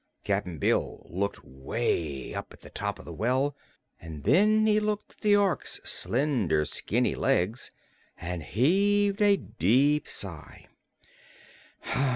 Cap'n Bill looked way up at the top of the well, and then he looked at the Ork's slender, skinny legs and heaved a deep sigh.